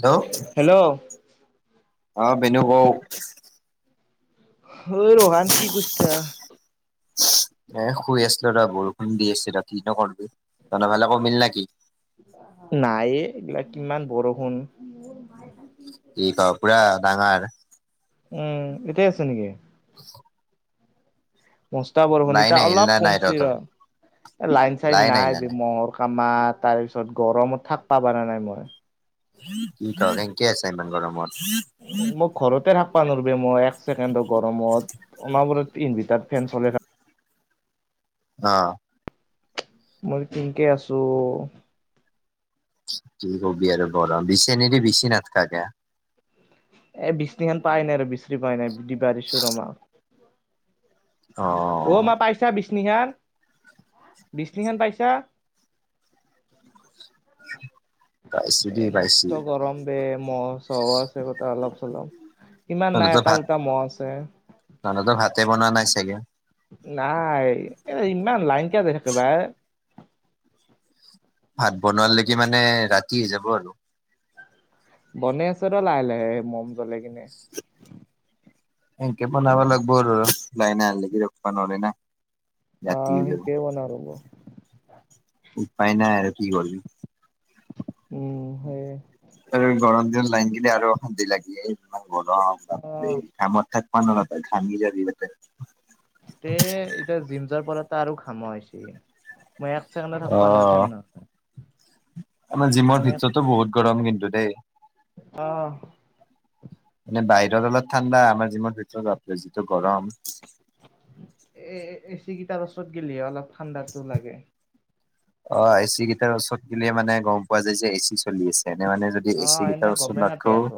Hello. Hello. অ', Ben [unintelligible] কওঁক ঐ ৰহান কি কৰিছা? এ শুই আছিলো ৰ', বৰষুণ দি আছিল ৰাতি কিনো কৰবি তহঁত ফালে কমিল নেকি? নাইয়ে এইবিলাক কিমান বৰষুণ কি ক পুৰা ডাঙৰ। উম, এতোই আছে নেকি? অ [unintelligible] মস্তা বৰষুণ লাইন এতা আহিল অলপ না নাই কমছে তহঁতৰ ৰ', এ লাইন চাইন নাই [unintelligible] কামা তাৰ পিছত গৰমত থাকবা পৰা নাই মই। কি ক কেনকে আছা ইমান গৰমত? মু [unintelligible] ঘৰতে থাকবা নোৱাৰোব মই এক ছেকেণ্ডো গৰমত অনবৰত ইনভাৰটাৰ ফেন চলে থাক অ'। মই কেনকে আছো। কি কবি আৰু গৰম, বিচিনি দি বিছি নাথকা কিয়? এ বিছিনিখন পাই নাই আৰু বিছৰি পাই নাই [unintelligible] বাঢ়িছো আমাৰ অ অ', মা পাইছা বিচনিখান বিচনিখান পাইছা। পাইছো উ [inaudible] এ দেই পাইছো মষ্ট গৰম বে, মহ চহো আছে কথা অলপ চলপ। ইমান নাই এটা দুটা মহ' আছে। [unintelligible] তো ভাতে বনোৱা নাই চাগে নাই এ ইমান লাইন কিয় যাই থাকে বাই। ভাত বনোৱালৈকে মানে ৰাতি হৈ যাব আৰু। বনে আছে ৰ' লাহে লাহে মম জ্বলাই কিনে। সেনকে বনাব লাগিব আৰু, লাইনে অহালেকি ৰখবা নৰি না। ৰাতি আহ হৈ যাব সেনেকে বনাও ৰ'ব উপায় নাই আৰু কি কৰবি। উম, সেই। আৰু গৰম দিন লাইন কিটা আৰু অশান্তি লাগি গৰম অ কামত থাক প খানগী [unintelligible] জ আি এ এতিয়া জিম যোৱা পৰা টা আৰু ঘাম আহছে, মই এক ছেকেণ্ডো অ থাকবা নোৰো ফেন ন আমাৰ জিমৰ ভিতৰতো বহুত গৰম কিন্তু দেই। অ'। মানে বাহিৰত অলপ ঠাণ্ডা আমাৰ জিমৰ ভিতৰত বাপৰে যিটো গৰম। এ এ চি কেইটাৰ ওচৰত গেলহে অলপ ঠাণ্ডাতটো লাগে। অ'। এচি কেইটাৰ ওচৰত গিলে মানে গম পোৱা যায় যে এ চি চলি আছে এনে মানে যদি এই অ এ চি এনে গীটাৰ উচৰত গমেই নাপায় নাথকো আকৌ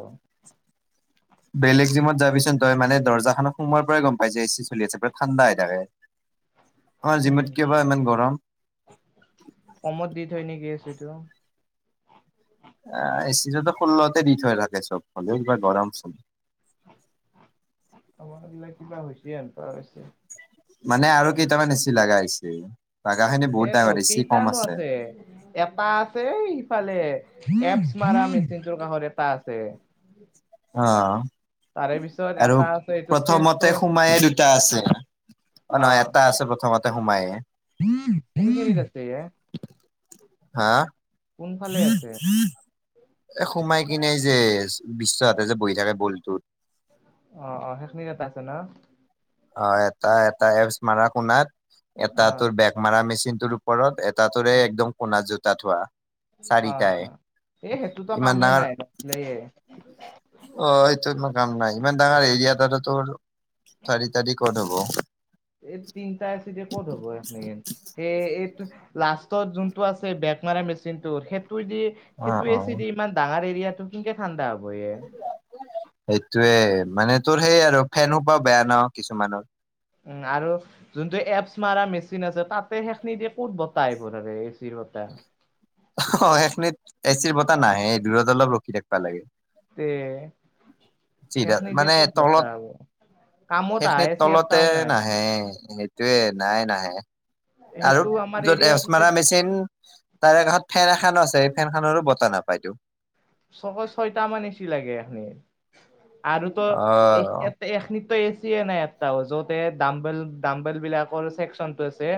বেলেগ জিমত যাবিচোন তই মানে দৰ্জাখন সোমাৰ পৰাই গম পাই যে এ চি চলি আছে পুৰা ঠাণ্ডা হৈ থাকে। [inaudible] অমাৰ উম জিমত কিবা ইমান গৰম। কমত দি থয় নেকি এচিটো। এ এচি টোতো ষোল্লতে দি থৈ থাকে চব ফালে, হ'লেও বা গৰম চল- আমাৰ এইবিলাক কিবা হৈছে, এনকা হৈছে। মানে আৰু কেইটামান এচি লগা হৈছে, লগা খিনি বহুত সেইটো ডাঙৰ বেছি কম কেইটানো আছে। এটা আছে ইফালে, কেপচ মাৰা মেচিনটোৰ কাষত এটা আছে। অ', তাৰে পিছত আৰু এটা আছে এইটো প্ৰথমতে চেষ্টৰ সোমায়ে দুটা আছে, অ', নহয় এটা আছে প্ৰথমতে। সোমায়ে। কোনখিনিত আছে এ। হা। কোনফালে আছে এ সোমাই কিনে যে বিশ্বহতে যে বহি থাকে গোলিটোত। অ', অ', সেইখিনিট এটা আছে ন। অ', এটা এটা এপচ মাৰা কোনাত, অ এটা তোৰ বেগ মাৰা মেচিনটোত- ওপৰত। এটাটোৰ অ একদম কোণাত জোতা থোৱা। অ', চাৰিটাই অ', এই সেইটোতো ইমান কামেই ডাঙৰ নাই নচলেই। অ', এইটো ইমান কাম নাই। ইমান ডাঙৰ এৰিয়া তোতে টোৰ। চাৰিটা দি ক'ত হ'ব। এই তিনটা এচিদি ক'ত হ'ব এইখিনিত। সেই, এইটো লাষ্টত যোনটো আছে বেক মাৰা মেচিনটো, সেইটো দি- অ সেইটো অ এচিদি ইমান ডাঙৰ এৰিয়াটো কেনকে ঠাণ্ডা হ'বয়ে। সেইটোয়ে, মানে তোৰ সেই আৰু ফেন সোপা বেয়া ন কিছুমানৰ। উম্ আৰু- যোনটো এপছ মাৰা মেচিন আছে, তাতে সেইখিনি দিয়ে ক'ত বতাহ আহিব তাতে, এইবোৰ আৰু এচিৰ বতাহ। অ', সেইখিনিত এচিৰ বতাহ নাহে, দূৰত অলপ ৰখি থাকিব লাগে। তে, চিধা সেইখিনি দিয়ে মানে ক'ত তলত বতাহ হ'ব। সেইখিনিত তলতে নাহে, সেইটোয়ে নাই নাহে। আৰু সেইটো আমাৰ য'ত এপচ এৰিয়াটোতে মাৰা মেচিন- তাৰে কাষত ফেন এখনো আছে, সেই ফেন খনৰো বতাহ নাপাইতো। ছশ ছয়টা মান এছি লাগে এইখিনিত, আৰুতো অ এইতাত- এখিনিতো এচিয়ে নাই এটাও, য'তে দাম্বেল, দাম্বেল বিলাকৰ ছেকচন টো আছে।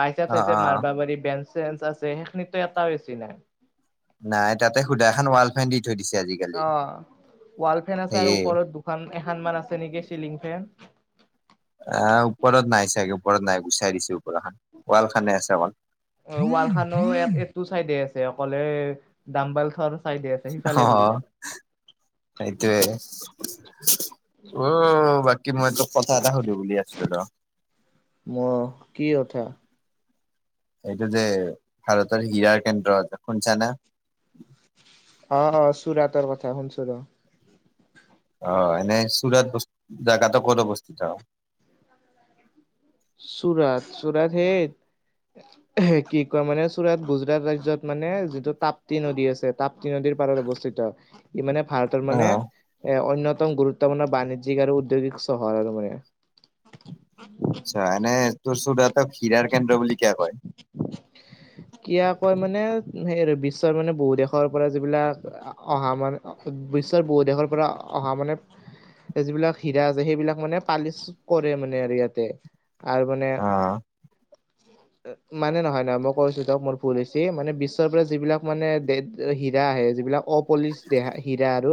বাইচা অ চাইছা অ মাৰিবা পাৰি, বেঞ্চ চেঞ্চ আছে। সেইখিনিতো এটাও এচি নাই। নাই, তাতে সুদা এখন ৱাল ফেন দি থৈ দিছে আজি। অ', ৱাল ফেন আছে আৰু ওপৰত দুখন এখন মান আছে নেকি চিলিং ফেন। আহ্, ওপৰত নাই চাগে। ওপৰত নাই গুচাই দিছে, ওপৰখন ৱাল খনে আছে অল- ৱালখনো এইটো চাইডে আছে, অকলে দাম্বাল খন। চাইদে আছে, সিফালে ঘূৰি যায়। সেইতোৱে। উম্, বাকী মই তোক কথা এটা সুধো বুলি আছিলোঁ ৰ। মোক, কি কথা? এইটো যে ভাৰতৰ ইয়াৰ কেন্দ্ৰ আছে, শুন চানা। অ', অ', চুৰাতৰ কথা শুনছো ৰ। অ', এনেই চুৰাত জাগাটো ক'ত অৱস্থিত। চুৰাত, চুৰাত হে- কি কয় মানে, চুৰাট গুজৰাট ৰাজ্যত মানে যিটো তাপ্তি নদী আছে। তাপ- তাপ্তিনদীৰ পাৰত অৱস্থিত। ই মানে ভাৰতৰ মানে- এক অণ্যতম গুৰুত্বপূৰ্ণ বাণিজ্যিক আৰু উদ্যোগিক চহৰ আৰু মানে। আচ্ছা, এনে তোৰ চুৰাতক খীৰাৰ কেন্দ্ৰ বুলি কিয় কয়? কিয় কয় মানে, সেই বিশ্বৰ মানে বহু দেশৰ পৰা যিবিলাক অহা মান- বিশ্বৰ বহু দেশৰ পৰা অহা মানে, যিবিলাক হীৰা আছে সেইবিলাক মানে পালিচ কৰে মানে আৰু ইয়াতে। আৰু মানে। অ মানে নহয়-নহয় মই কৈ আছোঁ। দিয়ক মোৰ ভুল হৈছে, মানে বিশ্বৰ পৰা যিবিলাক মানে হীৰা আহে যিবিলাক অ পলিচ দেহা হিৰা আৰু।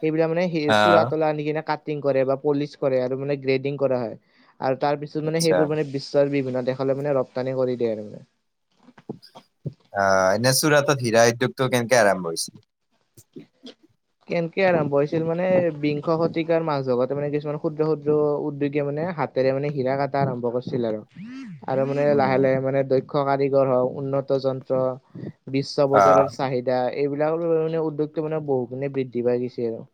সেইবিলাক মানে সি আহ চূৰাতলৈ আনি কিনে কা কাতিং কৰে বা পলিচ কৰে আৰু মানে গ্ৰেডিং কৰে আৰু তাৰপিছত মানে আচ্ছা সেইবোৰ মানে বিশ্ব বিভিন্ন দেশলৈ মানে ৰপ্তানি কৰি দিয়ে আৰু মানে। অহ, এনে চুৰাতত হীৰা উদ্যোগটো কেনেকে আৰম্ভ হৈছিল? কেনেকে আৰম্ভ হৈছিল মানে, বিংশ শতিকাৰ মাজ ভাগতে মানে কিছুমান ক্ষুদ্ৰ-ক্ষুদ্ৰ উদ্যোগে মানে হাত হাতেৰে মানে হিৰা কাটা আৰম্ভ কৰিছিল আৰু। আৰু মানে উম লাহে-লাহে মানে দক্ষ কাৰিগৰ হওঁক, উন্নত যন্ত্ৰ বিশ্ব অ বজাৰৰ চাহিদা, এইবিলাক [unintelligible] উদ্যোগটো মানে বহু গুণে বৃদ্ধি পাই গৈছি আৰু।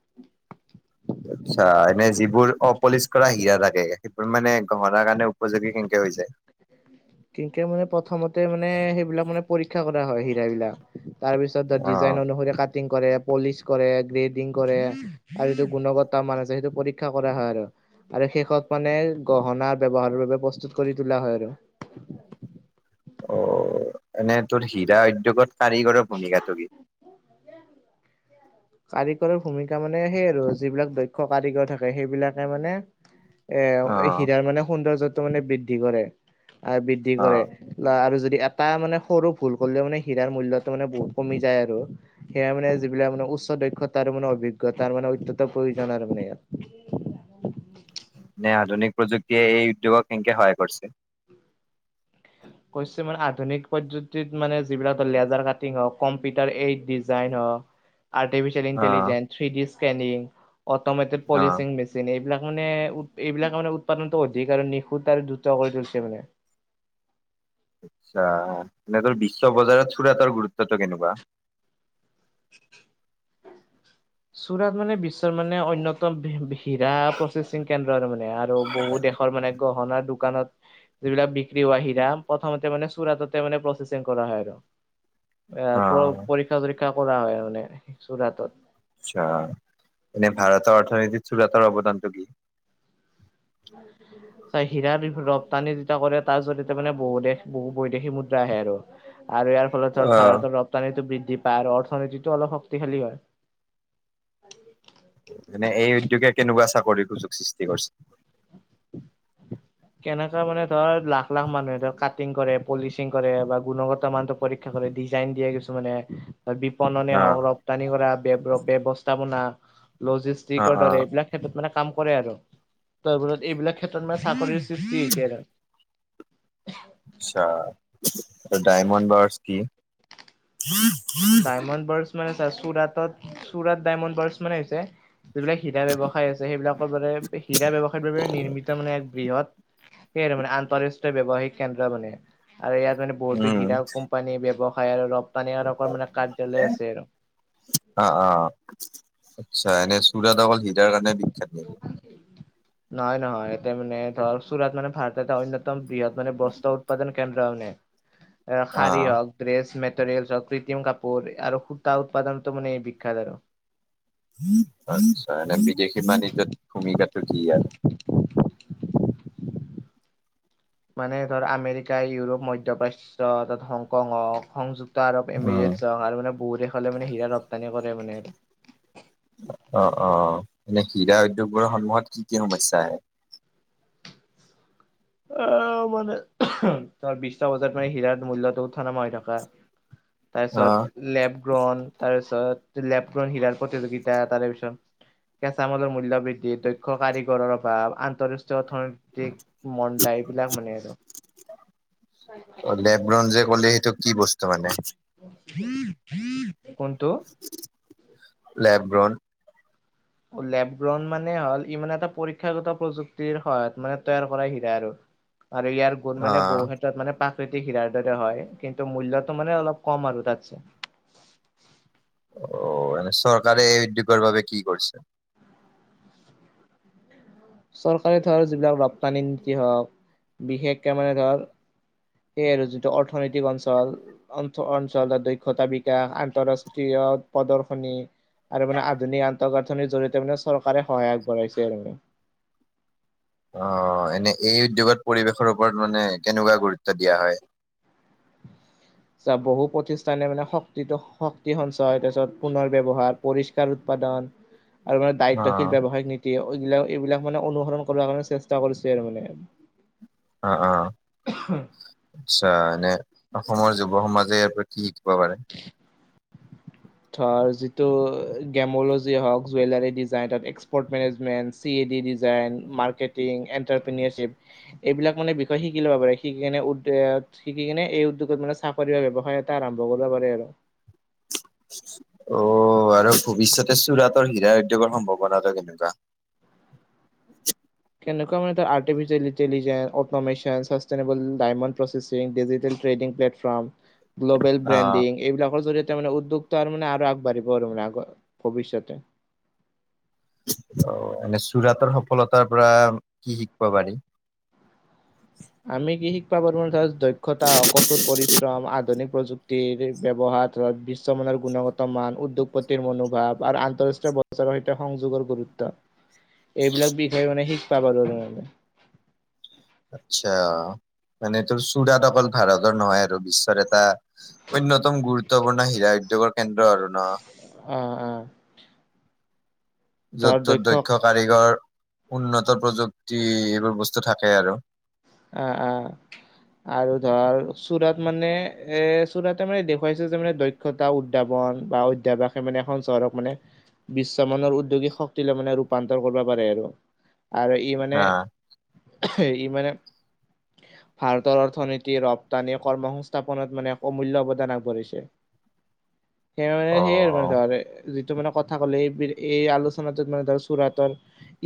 আচ্ছা, এনেই যিবোৰ অপলিচ কৰা হীৰা থাকে, সেইবোৰ মানে গহনাৰ কাৰণে উপযোগী কেনেকে হৈ যায়? কেনকে মানে প্ৰথমতে মানে সেইবিলাক মানে পৰীক্ষা কৰা হয় হীৰাবিলাক। তাৰপিছত ধৰ অ ডিজাইন অনুসৰি কাটিং কৰে, পলিচ কৰে, গ্ৰেডিং কৰে। আৰু যিটো গুণগত মান আছে, সেইটো পৰীক্ষা কৰা হয় আৰু। আৰু শেষত মানে গহনাৰ ব্যৱহাৰৰ বাবে প্ৰস্তুত কৰি তোলা হয় আৰু। অহ, এনেই তোৰ হীৰা উদ্যোগত কাৰিগৰৰ ভূমিকাটো কি? [unintelligible] কাৰিকৰৰ ভূমিকা মানে সেই আৰু যিবিলাক দক্ষ কাৰিকৰ থাকে, সেইবিলাকে মানে এ অ হিৰাৰ মানে সৌন্দৰ্যটো মানে বৃদ্ধি কৰে অহ, বৃদ্ধি অ কৰে। লা আৰু যদি এটা মানে সৰু ভুল কৰিলেও মানে হিৰাৰ মূল্যটো মানে বহুত কমি যায় আৰু। সেয়া মানে যিবিলাক মানে উচ্চ দক্ষতাৰ মানে, অভিজ্ঞতাৰ মানে, অত্যন্ত প্ৰয়োজন আৰু মানে ইয়াত। মানে আধুনিক প্ৰযুক্তিয়ে এই উদ্যোগক কেনকে সহায় কৰিছে? কৈছে মানে আধুনিক পদ্ধতিত মানে যিবিলাক লেজাৰ কাটিং হওঁক, কম্পিউটাৰ এইট ডিজাইন হওঁক। আৰ্তিফিছেল অ', ইন্টেলিজেন্ট, থ্ৰিদি স্কেনিং, অট'মেটেড অ'। পলিছিং মে এইবিলাক মানে, উ এইবিলাক মান উৎপাদনতো অধিক আৰু নিখুত আৰু দ্ৰুত কৰি তুলিছে মানে। আচ্ছা, মিনে তোৰ বিশ্ব বজাৰত চুৰাতৰ গুৰুত্বটো কেনেকুৱা? [unintelligible] চুৰাত মানে বিশ্বৰ মানে অন্যতম বি-বি হিৰা প্ৰচেচিং কেন্দ্ৰ আৰু মানে, আৰু বহু দেশৰ মানে গহনা দোকানত যিবিলাক বিক্ৰী হোৱা হীৰা, প্ৰথমতে মানে চুৰাততে মানে প্ৰচেচিং কৰা হয় আৰু। এ, অ'। প্ৰ-পৰীক্ষা চৰীক্ষা কৰা হয় মানে, চুৰাটত। আচ্ছা, এনেই ভাৰতৰ অৰ্থনীতিত চুৰাটৰ অৱদানটো কি? [inaudible] হীৰাৰ ৰপ্তানি যেতিয়া কৰে, তাৰ জৰিয়তে মানে বহু দেশ, বহু বৈদেশী মুদ্ৰা আহে আৰু। আৰু ইয়াৰ ফলত ধৰ অ'। ভাৰতৰ ৰপ্তানিটো বৃদ্ধি পায়, আৰু অৰ্থনীতিটো অলপ শক্তিশালী হয়। [unintelligible] মানে এই উদ্যোগে কেনেকুৱা চাকৰিৰ সুযোগ সৃষ্টি কৰিছে? কেনেকা মানে ধৰ লাখ-লাখ মানুহে ধৰ কাটিং কৰে, পলিচিং কৰে, বা গুণগত মানটো পৰীক্ষা কৰে, ডিজাইন দিয়ে কিছুমানে। বিপণনে অ', হওঁক, ৰপ্তানি কৰা, ব্যৱ-ব্যৱস্থাপনা, অ', লজিষ্টিকৰ দৰে অ'। এইবিলাক ক্ষেত্ৰত মানে কাম কৰে আৰু, ত' এইবোৰত এইবিলাক ক্ষেত্ৰত মানে চাকৰিৰ সৃষ্টি হৈছে আৰু। আচ্ছা, দা ডায়মণ্ড বাৰছ কি? ডায়মণ্ড বাৰছ মানে চা চুৰাটত, চুৰাট ডায়মণ্ড বাৰচ মানে হৈছে যিবিলাক হীৰা ব্যয়ৱসায় আছে, সেইবিলাকৰ বাবে হীৰা ব্যয়ৱসায়ৰ বাবে নিৰ্মিত মানে এক বৃহৎ সেই আৰু মানে আন্তঃৰাষ্ট্ৰীয় ব্যয়ৱসায়িক কেন্দ্ৰ মানে, আৰু ইয়াত মানে বহুতো উম, হীৰা কোম্পানী, ব্যৱসায় আৰু ৰপ্তানি, এনেকুৱা মানে কাৰ্যালয় আছে আৰু। অহ', অহ', অহ'। আচ্ছা এনেই চুৰাট অকল হীৰাৰ কাৰণে বিখ্যাত নেকি? নহয়-নহয়, এতে মানে ধৰ চুৰাত মানে ভাৰতৰ এটা অন্যতম বৃহৎ মানে বস্ত্ৰ উৎপাদন। কেন্দ্ৰ মানে, শাৰী অ', হওঁক ড্ৰেছ মেটেিয়েলচ হওঁক, কৃত্ৰিম কাপোৰ, আৰু সূতা উৎপাদনটো মানে বিখ্যাত আৰু আটচ্ছা, এনে বিদেশী বাণিজ্যত ভূমিকাটো কি ইয়াৰ? মানে ধৰ আমেৰিকা, ইউৰোপ, মধ্যপ্ৰাচ্য, ধৰ হংকং হওক, সংযুক ক্ত আৰব উম, এমিৰেটছ হওক, আৰু মানে বহু দেশলে মানে হীৰা ৰপ্তানি কৰে মানে অ', অ', এনে হীৰা উদ্যোগবোৰৰ সন্মুখত কি কি সমস্যা আহে? আহ মানে তাৰ বিশটা বজাত মানে হিৰাৰ মূল্য়টো উঠা নমা হৈ থকে। অ' তাৰপিছত লেপ গ্ৰণ তাৰপিছত লেপ গ্ৰন হিৰাৰ প্ৰতিযোগিতা তাৰেপিছত কেঁচা মালৰ মূল্য বৃদ্ধি দক্ষ কাৰীগৰৰ মন দাইবলাক মানে আৰু লেবগ্ৰঞ্জে কলে সেইটো কি বস্তু মানে? কোনটো লেব্ৰন লেপগ্ৰউণ্ড মানে হ'ল ইানে এটা পৰীক্ষাগত প্ৰযুক্তিৰ সহায়ত মানে তৈয়াৰ কৰা হিৰা আৰু। আৰু ইয়াৰ গুন মানে বহু অ' ক্ষেত্ৰত মানে প্ৰাকৃতিক হিৰাৰ দৰে হয় কিন্তু মূল্যতটো মানে অলপ কম আৰু তাতছে। অ' এনে চৰকাৰে এই উদ্যোগৰ বাবে কি কৰিছে। চৰকাৰে ধৰ যিবিলাক ৰপ্তানি নীতি হওক বিশেষকে মানে ধৰ সেই আৰু যোনটো অৰ্থনৈতিক অঞ্চল অঞ্চ অঞ্চলৰ দক্ষতা বিকাশ আন্তঃৰাষ্ট্ৰীয় প্ৰদৰ্শনী আৰু মানে আধুনিক আন্তঃগাঁথনিৰ জৰিয়তে মানে চৰকাৰে সহায় আগবঢ়াইছে আৰু মানে অ' এনে এই উদ্যোগত পৰিৱেশৰ ওপৰত মানে কেনেকুৱা গুৰুত্ব দিয়া হয়। বহু প্ৰতিষ্ঠানে মানে শক্তিটো শক্তি সঞ্চয় তাৰ পিছত পুনৰ ব্যৱহাৰ পৰিষ্কাৰ উৎপাদন আৰু মানে দায়িত্বশীল অ' ব্যৱসায়িক নি এ এইবিলাক এইবিলাক মানে অনুসৰণ কৰাৰ কাৰণে চেষ্টা কৰিছে আৰু মানে। অ', 'অ' আচ্ছা এনে অসমৰ যুৱ সমাজে ইয়াৰ পৰা কি শিকিব পাৰে। ধৰ যিটো গেম'লজি হওক জুৱেলাৰী যায়তাপ export management C A D design marketing entrepreneurship এইবিলাক মানে বিষয়ে শিকি ল'ব পাৰে শিকি কিনে শিকি কিনে এই উদ্যোগত মানে চাকৰি ব্যৱসায় এটা আৰম্ভ কৰিব পাৰে আৰু। অ' আৰু ভৱিষ্যতে চুৰাটৰ হীৰা উদ্যগৰ সম্ভাৱনাটো কেনেকুৱা। কেনেকুৱা মান তাৰ artificial intelligence automation sustainable diamond processing digital টেডিং platform from global O branding এইবিলাকৰ জৰিয়তে মানে উদ্যোগটো আৰু মানে আৰু আগবাঢ়িব আৰু মানে আগ ভৱিষ্যতে। অ' এনে চুৰাতৰ সফলতাৰ পৰা কি শিকিব পাৰি। আমি কি শিকবৰ পাৰো তাৰ দক্ষতা কঠোৰ পৰিশ্ৰম আধুনিক প্ৰযুক্তি ব্যৱহাৰ বিশ্বমানৰ গুণগত মান উদ্যোগপতিৰ মনোভাৱ আৰু আন্তঃৰাষ্ট্ৰীয় চৰ সৈতে সংযোগৰ গুৰুত্ব এইবিলাক বিষয়ে মানে শিকবৰ পাৰু আৰু আচ্ছা মানে তোৰ চুৰাত অকল ভাৰতৰ নহয় আৰু আৰু বিশ্বত এটা অন্যতম গুৰুত্বপূৰ্ণ হীৰা উদ্ৰোগৰ কেন্দ্ৰ আৰু ন। অ' অ'। য'ত ত'ত দক্ষ কাৰগৰ উন্নত প্ৰযুক্তি এইবোৰ বস্তু থাকে আৰু অ' অ' আৰু ধৰ চুৰাত মানে এ চূৰাতে মানে দেখুৱাইছে যে মানে দক্ষ দক্ষতা উদ্ৰাপন বা অধ্যয়ভাসে মানে এখন চহৰক মানে বিশ্বমানানৰ উদ্যোগিক শক্তিলে মানে ৰূপান্তৰ কৰিব পাৰে আৰু আৰু। ই মানে হা ই মানে ভাৰতৰ অৰ্থনীতি ৰপ্তানি কৰ্মসংস্থাপনত মানে অমূল্য অৱদান আগবঢ়াইছে। সেই মানে সেই মান অ যিটো মানে কথা ক'লে এই এই আলোচনাটোত মানে ধৰ চুৰাতৰ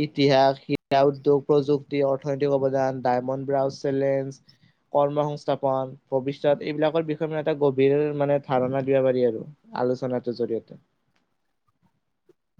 ইতিহাস শিক্ষা উদ্যোগ প্ৰযুক্তি অৰ্থনৈতিক অৱদান ডায়মণ্ড ব্ৰাউজ চেলেঞ্জ কৰ্ম সংস্থাপন ভৱিষ্যত এইবিলাকৰ বিষয়ে মানে এটা গভীৰ মানে ধাৰণা দিবা পাৰি আৰু। আলোচনাটোৰ জৰিয়তে।